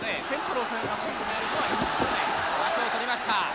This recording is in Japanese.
足を取りました。